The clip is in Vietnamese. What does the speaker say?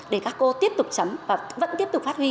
để các cô tiếp tục chấm và vẫn tiếp tục phát huy